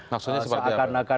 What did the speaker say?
maksudnya seperti apa